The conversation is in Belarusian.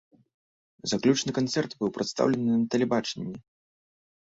Заключны канцэрт быў прадстаўлены на тэлебачанні.